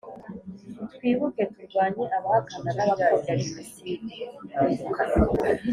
twibuke! turwanye abahakana n’abapfobya jenoside